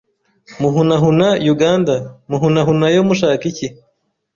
Muhunahuna Uganda, muhunahunayo mushaka iki